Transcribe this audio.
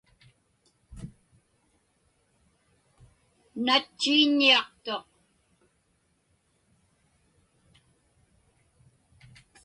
Natchiiññiaqtuq.